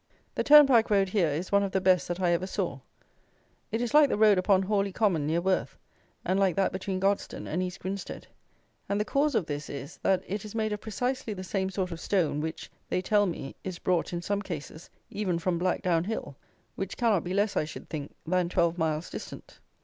The turnpike road here is one of the best that I ever saw. It is like the road upon Horley Common, near Worth, and like that between Godstone and East Grinstead; and the cause of this is, that it is made of precisely the same sort of stone, which, they tell me, is brought, in some cases, even from Blackdown Hill, which cannot be less, I should think, than twelve miles distant.